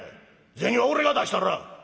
銭は俺が出したら」。